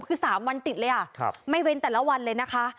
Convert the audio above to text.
คือ๓วันติดเลยไม่เว้นแต่ละวันเลยนะคะ